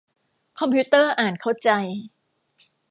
คอมพิวเตอร์อ่านเข้าใจ